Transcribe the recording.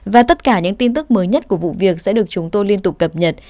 và tất cả những tin tức mới nhất của vụ việc sẽ được chúng tôi liên tục cập nhật